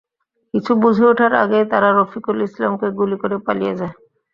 কিছু বুঝে ওঠার আগেই তারা রফিকুল ইসলামকে গুলি করে পালিয়ে যায়।